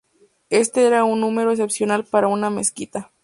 Este era un número excepcional para una mezquita.